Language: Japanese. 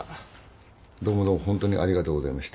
どうもどうもホントにありがとうございました。